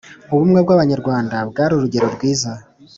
ubumwe bw'abanyarwanda bwari urugero rwiza